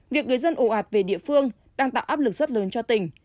việc người dân ồ ạt về địa phương đang tạo áp lực rất lớn cho tỉnh